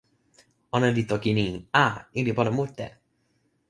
ona li toki e ni: a! ni li pona mute.